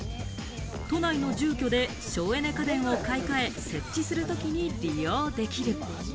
都内の住居で省エネ家電を買いかえ、設置する時に利用できる。